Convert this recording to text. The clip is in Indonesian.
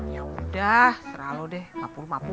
yaudah serah lu deh